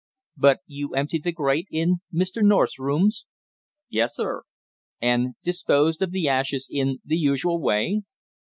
"But you emptied the grate in Mr. North's rooms?" "Yes, sir." "And disposed of the ashes in the usual way?"